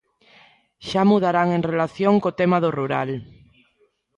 Xa mudarán en relación co tema do rural.